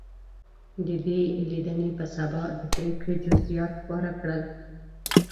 د دې لیدنې په سبا د پرېکړې جزییات خپاره کړل.